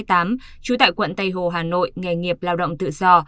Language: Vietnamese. trú tại quận tây hồ hà nội nghề nghiệp lao động tự do